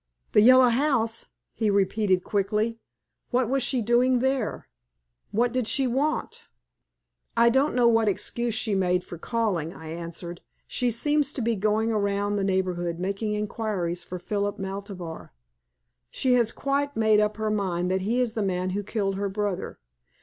"The Yellow House?" he repeated, quickly. "What was she doing there? What did she want?" "I don't know what excuse she made for calling," I answered. "She seems to be going round the neighborhood making inquiries for Philip Maltabar. She has quite made up her mind that he is the man who killed her brother.